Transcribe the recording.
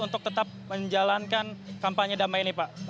untuk tetap menjalankan kampanye damai ini pak